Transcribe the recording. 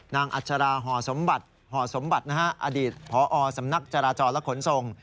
นางอัจฉราห่อสมบัติอดีตผอสำนักจราจรและขนส่ง